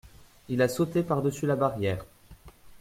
Il a sauté par-dessus la barrière.